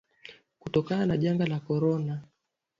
kutokana na janga la Korona